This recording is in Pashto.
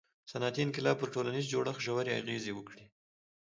• صنعتي انقلاب پر ټولنیز جوړښت ژورې اغیزې وکړې.